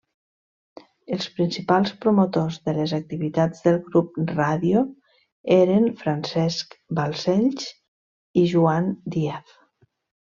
Els principals promotors de les activitats del Grup Ràdio eren Francesc Balcells i Joan Díaz.